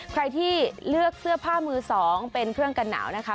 ใครที่เลือกเสื้อผ้ามือสองเป็นเครื่องกันหนาวนะคะ